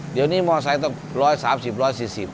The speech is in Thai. เดี๋ยวนี้มอไซค์ต้อง๑๓๐๑๔๐บาท